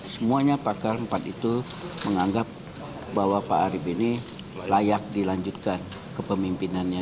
semuanya pakar empat itu menganggap bahwa pak arief ini layak dilanjutkan kepemimpinannya